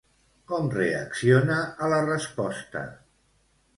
Com reacciona a la resposta?